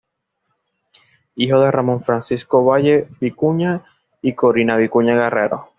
Hijo de Ramón Francisco Ovalle Vicuña y Corina Vicuña Guerrero.